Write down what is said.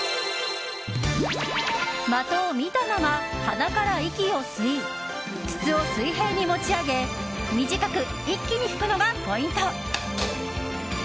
的を見たまま、鼻から息を吸い筒を水平に持ち上げ短く一気に吹くのがポイント。